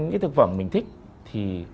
những thực phẩm mình thích thì